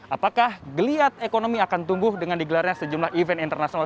apakah geliat ekonomi akan tumbuh dengan digelarnya sejumlah event internasional